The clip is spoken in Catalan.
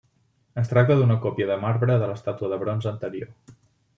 Es tracta d'una còpia de marbre de l'estàtua de bronze anterior.